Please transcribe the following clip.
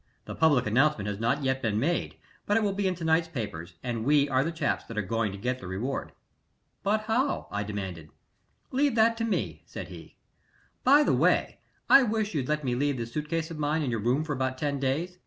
The public announcement has not yet been made, but it will be in to night's papers, and we are the chaps that are going to get the reward." "But how?" I demanded. "Leave that to me," said he. "By the way, I wish you'd let me leave this suit case of mine in your room for about ten days.